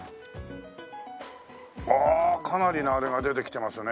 わあかなりのあれが出てきてますね。